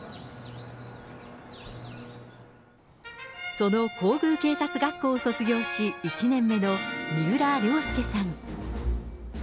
その皇宮警察学校を卒業し、１年目の三浦僚介さん。